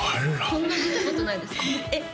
こんなの見たことないですえっ